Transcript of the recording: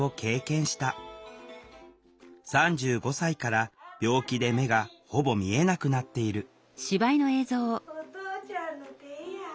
３５歳から病気で目がほぼ見えなくなっている「お父ちゃんの手や」。